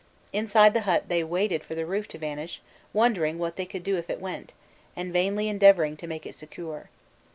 Inside the hut they waited for the roof to vanish, wondering what they could do if it went, and vainly endeavouring to make it secure.